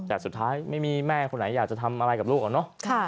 แต่สุดท้ายไม่มีแม่คนไหนอยากจะทำอะไรกับลูกอะเนาะ